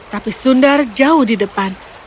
tapi sundar jauh di depan